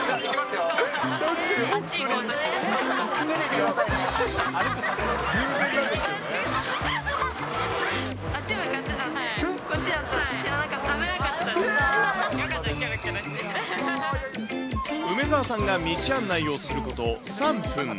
よかった、梅澤さんが道案内をすること３分。